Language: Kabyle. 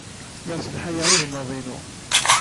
Lliɣ sselhayeɣ igmaḍ-inu.